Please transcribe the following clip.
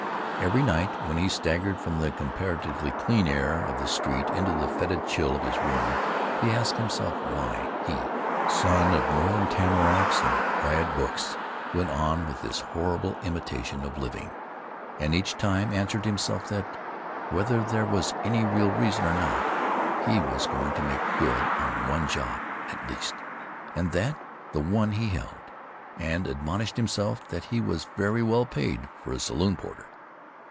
Every night when he staggered from the comparatively clean air of the street into the fetid chill of his room he asked himself why he—son of Northern tamaracks and quiet books—went on with this horrible imitation of living; and each time answered himself that, whether there was any real reason or not, he was going to make good on one job at least, and that the one he held. And admonished himself that he was very well paid for a saloon porter.